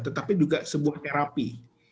tetapi juga sebuah terapi